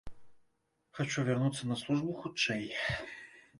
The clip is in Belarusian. Хачу вярнуцца на службу хутчэй.